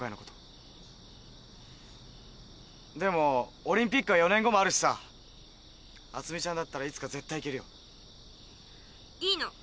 でもオリンピックは４年後もあるしさあつみちゃんだったらいつか絶対行けるよ。いいの。